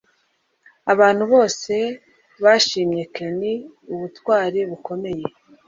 Abantu bose bashimye Ken ubutwari bukomeye